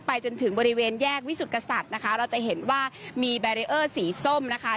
จนถึงบริเวณแยกวิสุทธิกษัตริย์นะคะเราจะเห็นว่ามีแบรีเออร์สีส้มนะคะ